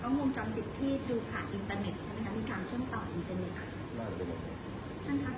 จริงผมว่าช่วงไม่เลยง่ายแต่ก็มีข้อขิบทาสภารกาลเป็นระหว่างหลักอาจารย์สอง